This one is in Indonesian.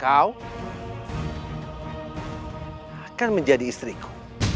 kau akan menjadi istriku